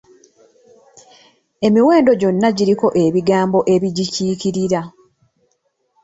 Emiwendo gyonna giriko ebigambo ebigikiikirira.